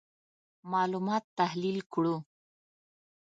معلومات تحلیل کړو.